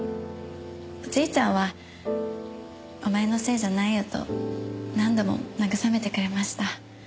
おじいちゃんはお前のせいじゃないよと何度も慰めてくれました。